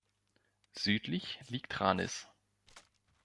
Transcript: Südlich liegt Ranis.